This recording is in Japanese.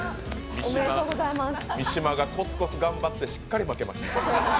三島がこつこつ頑張って、しっかり負けました。